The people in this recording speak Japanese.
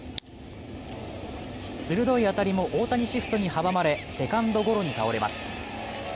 鋭い当たりも大谷シフトに阻まれ、セカンドゴロに倒れます。